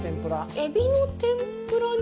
エビの天ぷらに？